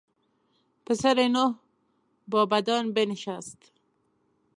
پسر نوح با بدان بنشست.